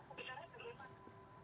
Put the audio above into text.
ceritanya sebelum masuk